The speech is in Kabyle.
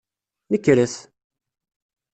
Nekret!